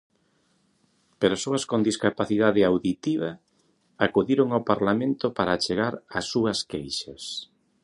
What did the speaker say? Persoas con discapacidade auditiva acudiron ao Parlamento para achegar as súas queixas.